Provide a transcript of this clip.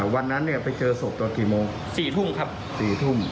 วันนั้นไปเจอศพตอนกี่โมง๔ทุ่มครับ๔ทุ่ม